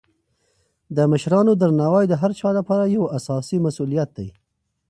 د مشرانو درناوی د هر چا لپاره یو اساسي مسولیت دی.